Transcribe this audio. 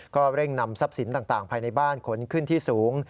ก็เร่งนำทรัพย์สินต่างภายในบ้านขนขึ้นที่สูง